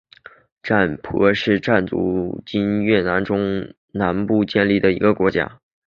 占婆是占族在今越南中南部建立的一个国家。